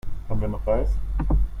Haben wir noch Reis?